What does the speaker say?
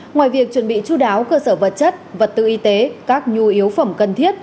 ngoài việc chuẩn bị chú đáo cơ sở vật chất vật tư y tế các nhu yếu phẩm cần thiết